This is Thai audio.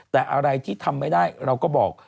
แต่อะไรที่ทำไม่ได้เราก็บอก